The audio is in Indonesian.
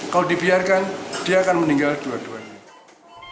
kalau dibiarkan dia akan meninggal dua duanya